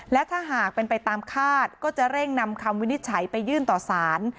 และถ้าหากเป็นไปตามคาดก็จะเร่งนำคำวินิจฉัยไปยื่นต่อสาร